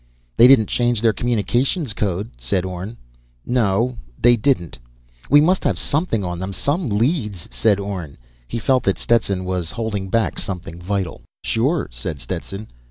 "They didn't change their communications code," said Orne. "No ... they didn't." "We must have something on them, some leads," said Orne. He felt that Stetson was holding back something vital. "Sure," said Stetson.